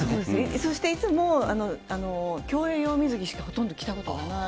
そしていつも、競泳用水着しかほとんど着たことがない。